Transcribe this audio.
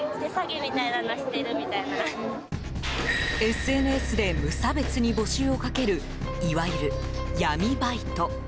ＳＮＳで無差別に募集をかけるいわゆる闇バイト。